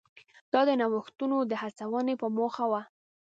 دا د نوښتونو د هڅونې په موخه و.